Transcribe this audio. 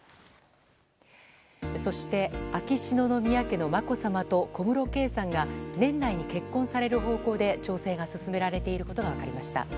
そして、秋篠宮家のまこさまと小室圭さんが年内に結婚される方向で調整が進められていることが分かりました。